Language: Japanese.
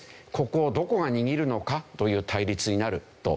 ここをどこが握るのかという対立になると。